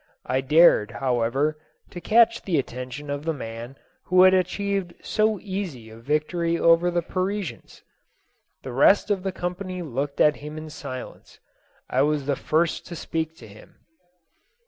I dared, however, to catch the attention of the man who had achieved so easy a victory over the Parisians. The rest of the company looked at him in silence. I was the first to speak to him.